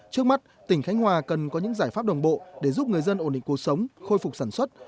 trước mắt tỉnh khánh hòa cần có những giải pháp đồng bộ để giúp người dân ổn định cuộc sống khôi phục sản xuất